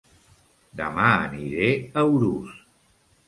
Dema aniré a Urús